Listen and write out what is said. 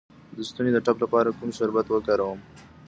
د ستوني د ټپ لپاره کوم شربت وکاروم؟